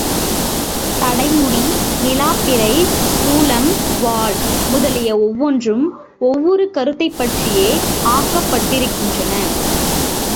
சடைமுடி, நிலாப் பிறை, சூலம், வாள் முதலிய ஒவ்வொன்றும் ஒவ்வொரு கருத்தைப் பற்றியே ஆக்கப்பட்டிருக்கின்றன.